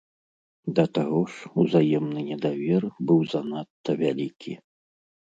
Да таго ж узаемны недавер быў занадта вялікі.